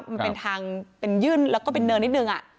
มันเป็นทางเป็นยื่นแล้วก็เป็นเนินนิดนึง